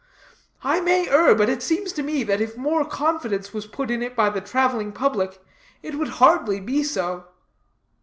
I may err, but it seems to me that if more confidence was put in it by the traveling public, it would hardly be so."